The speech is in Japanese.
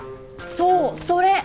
そうそれ！